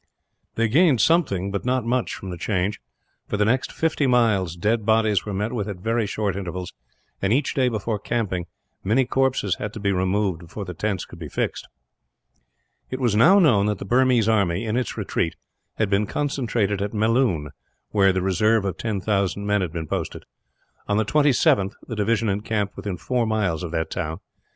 They gained something, but not much, from the change. For the next fifty miles, dead bodies were met with at very short intervals and, each day before camping, many corpses had to be removed before the tents could be fixed. It was now known that the Burmese army, in its retreat, had been concentrated at Melloon, where the reserve of 10,000 men had been posted. On the 27th, the division encamped within four miles of that town.